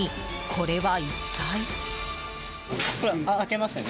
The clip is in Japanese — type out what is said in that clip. これは一体。